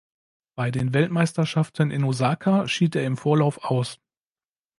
Bei den Weltmeisterschaften in Osaka schied er im Vorlauf aus.